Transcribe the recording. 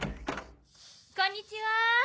こんにちは。